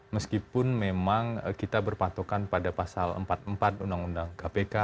meskipun memang kita berpatokan pada pasal empat puluh empat undang undang kpk